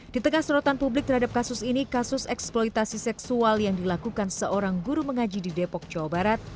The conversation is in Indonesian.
di tengah sorotan publik terhadap kasus ini kasus eksploitasi seksual yang dilakukan seorang guru mengaji di depok jawa barat